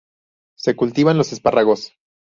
Se cultivan los espárragos.